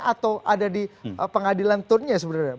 atau ada di pengadilan tun nya